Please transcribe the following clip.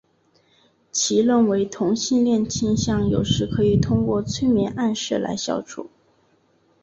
其认为同性恋倾向有时可以通过催眠暗示来消除。